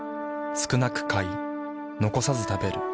少なく買い残さず食べる。